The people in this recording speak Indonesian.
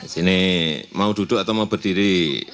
sini mau duduk atau mau berdiri